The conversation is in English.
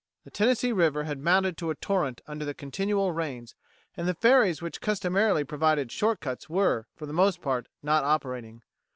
The Tennessee River had mounted to a torrent under the continual rains, and the ferries which customarily provided short cuts were, for the most part, not operating.